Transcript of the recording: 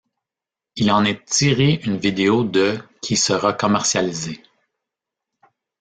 Il en est tiré une vidéo de qui sera commercialisée.